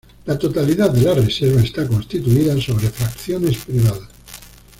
La totalidad de la reserva está constituida sobre fracciones privadas.